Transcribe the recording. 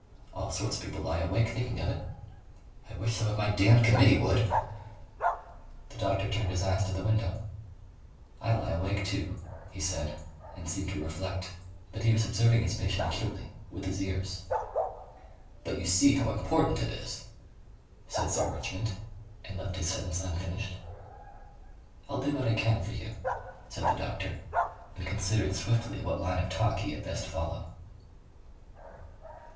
"All sorts of people lie awake thinking of it." "I wish some of my damned Committee would!" The doctor turned his eyes to the window. "I lie awake too," he said and seemed to reflect. But he was observing his patient acutely with his ears. "But you see how important it is," said Sir Richmond, and left his sentence unfinished. "I'll do what I can for you," said the doctor, and considered swiftly what line of talk he had best follow.